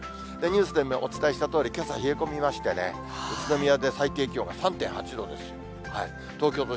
ニュースでお伝えしたとおり、けさ冷え込みましてね、宇都宮で最低気温が３．８度です。